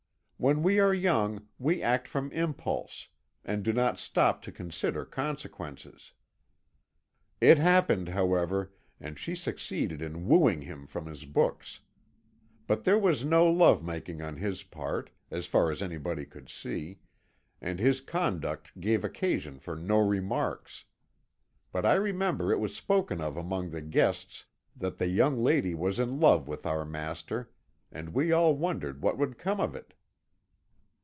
When we are young we act from impulse, and do not stop to consider consequences. It happened, however, and she succeeded in wooing him from his books. But there was no love making on his part, as far as anybody could see, and his conduct gave occasion for no remarks; but I remember it was spoken of among the guests that the young lady was in love with our master, and we all wondered what would come of it.